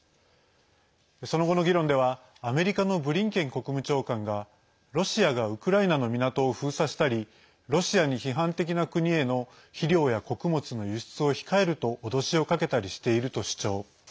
その後の議論ではアメリカのブリンケン国務長官がロシアがウクライナの港を封鎖したりロシアに批判的な国への肥料や穀物の輸出を控えると脅しをかけたりしていると主張。